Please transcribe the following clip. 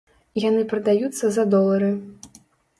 Яны прадаюцца за долары.